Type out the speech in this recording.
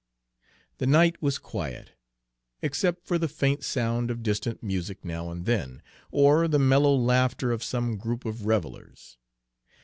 The night was quiet, except for the faint sound of distant music now and then, or the mellow laughter of some group of revelers.